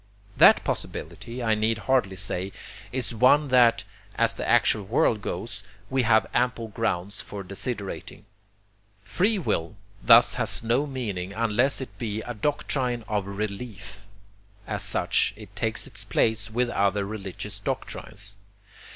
That possibility, I need hardly say, is one that, as the actual world goes, we have ample grounds for desiderating. Free will thus has no meaning unless it be a doctrine of RELIEF. As such, it takes its place with other religious doctrines.